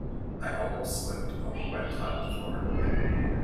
I almost slipped on the wet tiled floor.